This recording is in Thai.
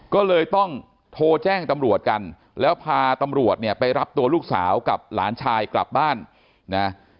ก็เลยต้องโทรแจ้งตำรวจกันแล้วพาตำรวจเนี่ยไปรับตัวลูกสาวกับหลานชายกลับบ้านนะ